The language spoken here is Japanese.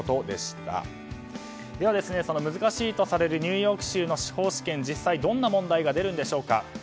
では、難しいとされるニューヨーク州の司法試験実際どんな問題が出るんでしょうか。